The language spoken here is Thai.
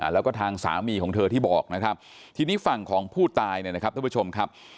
แล้วก็ทางสามีของเธอที่บอกนะครับทีนี้ฝั่งของผู้ตายเนี่ยนะครับท่านผู้ชมครับ